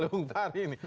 disakal bung fahri ini